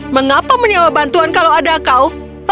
mengapa menyewa bantuan kalau ada kau